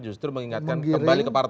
justru mengingatkan kembali ke partai